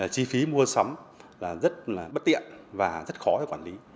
chi phí mua sắm là rất là bất tiện và rất khó để quản lý